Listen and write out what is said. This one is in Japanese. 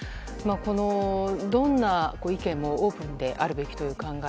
どんな意見もオープンであるべきという考え